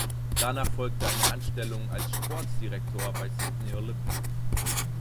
Danach folgte eine Anstellung als Sportdirektor bei Sydney Olympic.